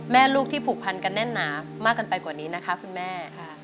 ลูกที่ผูกพันกันแน่นหนามากกันไปกว่านี้นะคะคุณแม่